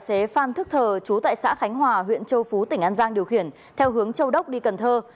xin chào quý vị và các bạn